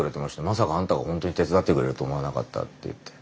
「まさかあんたがほんとに手伝ってくれると思わなかった」って言って。